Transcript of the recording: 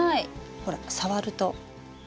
ほら触ると。